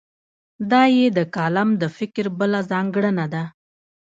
دا یې د کالم د فکر بله ځانګړنه ده.